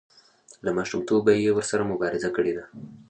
له ماشومتوبه یې ورسره مبارزه کړې ده.